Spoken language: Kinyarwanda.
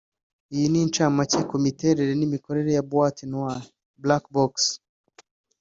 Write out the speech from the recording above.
Iyi ni incamake ku miterere n’imikorere ya Boîte noire/Black box